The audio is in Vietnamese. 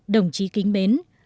đồng chí kính bến